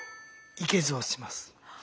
いけずをします。